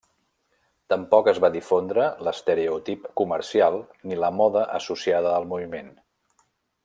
Tampoc es va difondre l'estereotip comercial ni la moda associada al moviment.